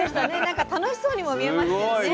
なんか楽しそうにも見えましたよね。